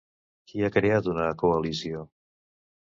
Qui ha creat una coalició?